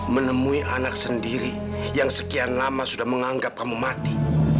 menemui anak sendiri yang sekian lama sudah menganggap kamu mati